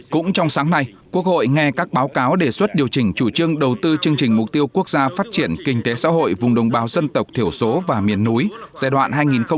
cũng trong sáng nay quốc hội nghe các báo cáo đề xuất điều chỉnh chủ trương đầu tư chương trình mục tiêu quốc gia phát triển kinh tế xã hội vùng đồng bào dân tộc thiểu số và miền núi giai đoạn hai nghìn một mươi sáu hai nghìn ba mươi